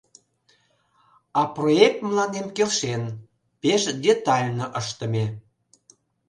А проект мыланем келшен, пеш детально ыштыме...